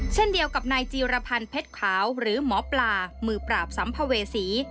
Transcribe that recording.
เช่นเดียวกับนายจีรพันธ์เพชรขาวหรือหมอปลามือปราบสัมภเวษี